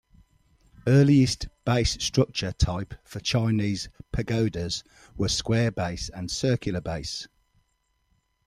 Earliest base-structure type for Chinese pagodas were square-base and circular-base.